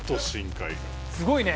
すごいね。